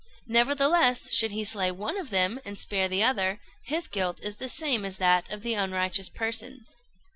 Nevertheless, should he slay one of them and spare the other, his guilt is the same as that of the unrighteous persons.